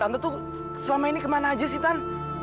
tante tuh selama ini kemana aja sih tan